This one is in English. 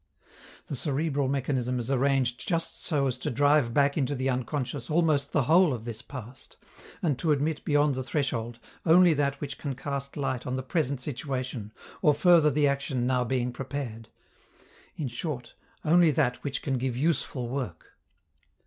The cerebral mechanism is arranged just so as to drive back into the unconscious almost the whole of this past, and to admit beyond the threshold only that which can cast light on the present situation or further the action now being prepared in short, only that which can give useful work.